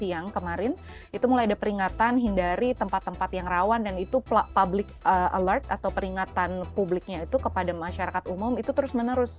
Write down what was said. itu terus menaruh di sini itu mulai ada peringatan hindari tempat tempat yang rawan dan itu public alert atau peringatan publiknya itu kepada masyarakat umum itu terus menaruh di sini